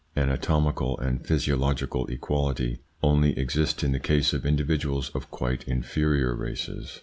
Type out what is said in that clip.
Anatomical and physiological equality only exist in the case of individuals of quite inferior races.